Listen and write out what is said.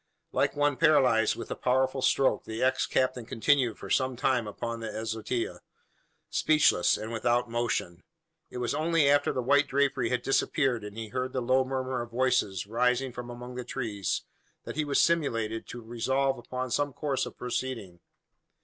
Like one paralysed with a powerful stroke, the ex captain continued for some time upon the azotea speechless and without motion. It was only after the white drapery had disappeared, and he heard the low murmur of voices rising from among the trees, that he was stimulated to resolve upon some course of proceeding.